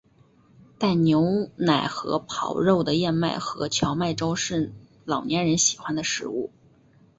带牛奶和狍肉的燕麦和荞麦粥是老年人喜欢的食物。